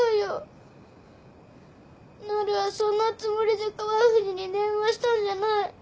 なるはそんなつもりで川藤に電話したんじゃない。